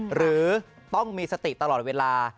หรือต้องมีสติตลอดเวลา